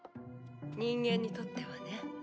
人間にとってはね。